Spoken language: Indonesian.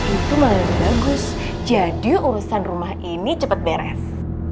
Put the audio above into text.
itu malah bagus jadi urusan rumah ini cepat beres